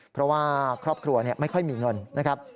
เพราะว่าครอบครัวไม่ค่อยมีเงินนะครับ